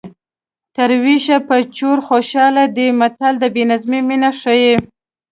تر وېش یې په چور خوشحاله دی متل د بې نظمۍ مینه ښيي